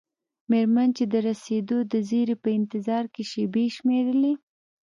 میرمن چې د رسیدو د زیري په انتظار کې شیبې شمیرلې.